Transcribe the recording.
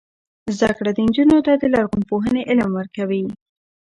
زده کړه نجونو ته د لرغونپوهنې علم ورکوي.